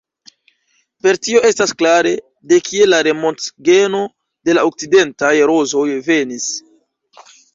Per tio estas klare, de kie la Remontant-geno de la okcidentaj rozoj venis.